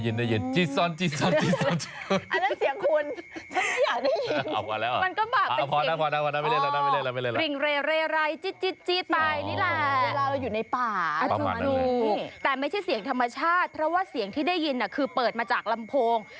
แต่ไม่ใช่เสียงธรรมชาติเพราะว่าเสียงที่ได้ยินคือเปิดมาจากลำโพง